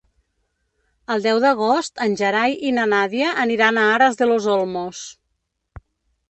El deu d'agost en Gerai i na Nàdia aniran a Aras de los Olmos.